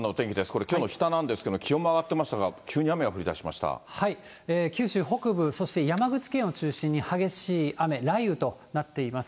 これ、きょうの日田なんですけど、気温も上がってましたが、九州北部、そして山口県を中心に激しい雨、雷雨となっています。